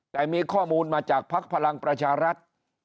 แต่มีข้อมูลมาจากภักดิ์พลังประชารัฐ